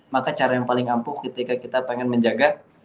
maka cara yang paling ampuh ketika kita pengen menjaga